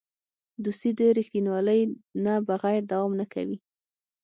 دوستي د رښتینولۍ نه بغیر دوام نه کوي.